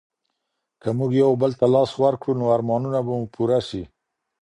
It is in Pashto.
که موږ یو بل ته لاس ورکړو نو ارمانونه به مو پوره سي.